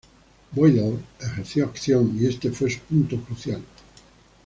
Boydell ejerció acción, y este fue su punto crucial.